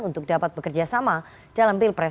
untuk dapat bekerjasama dalam pilpres dua ribu dua puluh empat